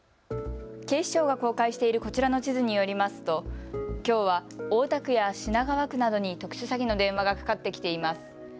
警視庁が公開しているこちらの地図によりますときょうは大田区や品川区などに特殊詐欺の電話がかかってきています。